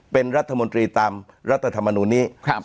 เป็นรัฐมนตรีตามรัฐธรรมนูลนี้